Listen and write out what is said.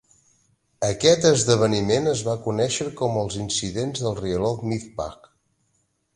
Aquest esdeveniment es va conèixer com els incidents del rierol Mizpah.